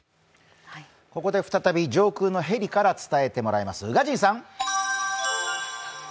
ここで再び、上空のヘリから伝えてもらいます。